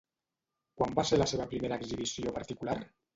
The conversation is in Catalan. Quan va ser la seva primera exhibició particular?